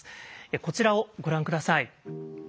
こちらをご覧下さい。